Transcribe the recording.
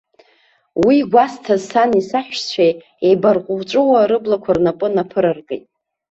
Уи гәазҭаз сани саҳәшьцәеи, еибарҟуҵәыуа, рыблақәа рнапы наԥыраркит.